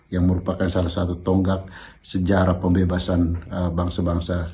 yang merupakan salah satu tonggak sejarah pembebasan bangsa bangsa